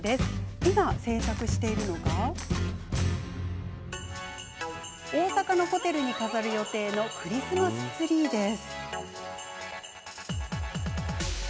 今、制作中しているのが大阪のホテルに飾る予定のクリスマスツリーです。